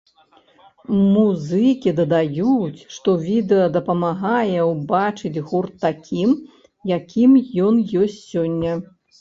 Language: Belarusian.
Музыкі дадаюць, што відэа дапамагае ўбачыць гурт такім, якім ён ёсць сёння.